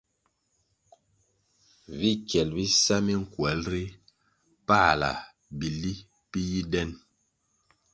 Vi kyel bisa minkwelʼ ri pala bili bi yi den.